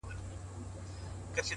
خاموشه هڅه لویې پایلې زېږوي؛